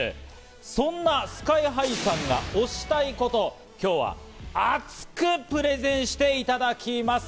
そんなＳＫＹ−ＨＩさんが推したいこと、今日は熱くプレゼンしていただきます。